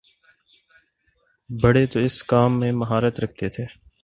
بڑے تو اس کام میں مہارت رکھتے تھے۔